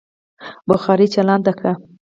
بخارۍ چالانده کړه.